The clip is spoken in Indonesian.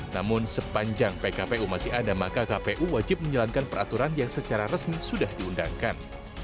namun sepanjang pkpu masih ada maka kpu wajib menjalankan peraturan yang secara resmi sudah diundangkan